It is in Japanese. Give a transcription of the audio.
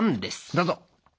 どうぞ！